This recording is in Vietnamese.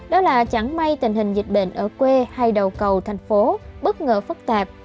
đó là chẳng may tình hình dịch bệnh ở quê hay đầu cầu thành phố bất ngờ phức tạp